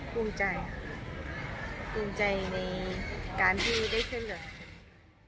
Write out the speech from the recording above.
ภูมิใจค่ะภูมิใจในการที่ได้ช่วยเหลือ